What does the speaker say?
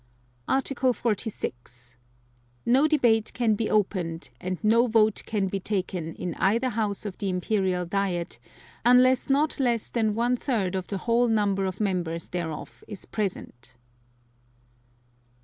Article 46. No debate can be opened and no vote can be taken in either House of the Imperial Diet, unless not less than one third of the whole number of Members thereof is present.